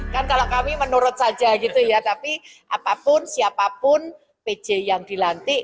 kan kalau kami menurut saja gitu ya tapi apapun siapapun pj yang dilantik